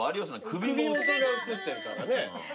首元が写ってるからね。